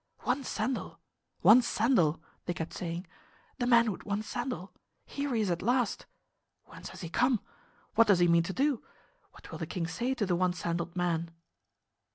"One sandal! One sandal!" they kept saying. "The man with one sandal! Here he is at last! Whence has he come? What does he mean to do? What will the king say to the one sandaled man?"